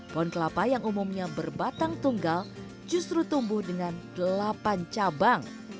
pohon kelapa yang umumnya berbatang tunggal justru tumbuh dengan delapan cabang